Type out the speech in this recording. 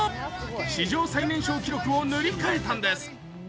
史上最年少記録を塗り替えたんです。